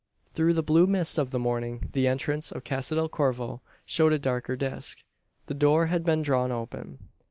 Through the blue mist of the morning the entrance of Casa del Corvo showed a darker disc. The door had been drawn open.